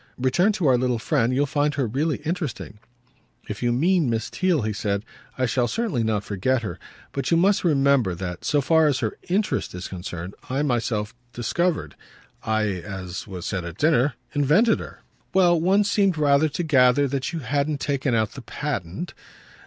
"Return to our little friend. You'll find her really interesting." "If you mean Miss Theale," he said, "I shall certainly not forget her. But you must remember that, so far as her 'interest' is concerned, I myself discovered, I as was said at dinner invented her." "Well, one seemed rather to gather that you hadn't taken out the patent.